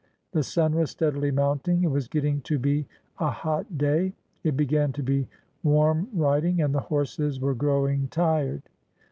The sun was steadily mounting; it was getting to be a hot day. It began to be warm riding, and the horses were growing tired.